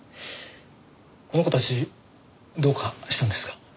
この子たちどうかしたんですか？